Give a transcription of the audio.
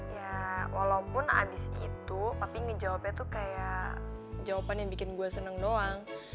ya walaupun abis itu tapi ngejawabnya tuh kayak jawaban yang bikin gue senang doang